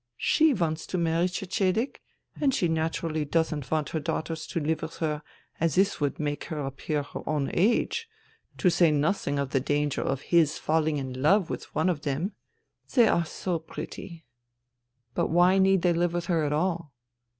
She wants to marry Cecedek and she naturally doesn't want her daughters to live with her as this would make her appear her own age, to say nothing of the danger of his falling in love with one of them. They are so pretty." " But why need they live with her at all